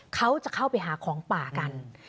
เขาจะเข้าไปหาของป่ากัน